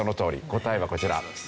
答えはこちら。